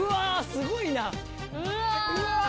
すごいなうわ